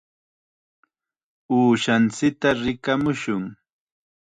Uushanchikta rikamushun.